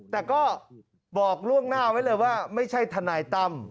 แต่ก็บอกล่วงหน้าไว้เลยว่าไม่ใช่ทนายตั้ม